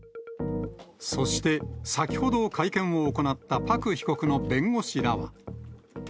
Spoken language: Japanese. そして、先ほど会見を行った、パク被告の弁護士らは。